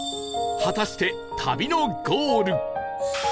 果たして旅のゴール